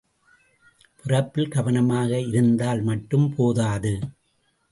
பிறப்பில் கவனமாக இருந்தால் மட்டும் போதாது.